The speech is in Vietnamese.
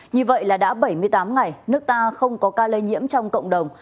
như vậy là đã bảy mươi tám ngày nước ta không có ca lây nhiễm trong cộng đồng